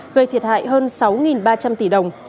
gây thiệt hại hơn sáu ba trăm linh tỷ đồng